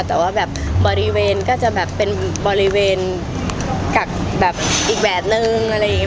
แต่ว่าแบบบริเวณก็จะแบบเป็นบริเวณกักแบบอีกแบบนึงอะไรอย่างนี้